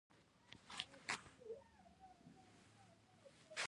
کاملاً پاک او اخلاقي عمل به کوي.